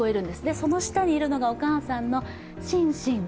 その下にいるのがお母さんのシンシン。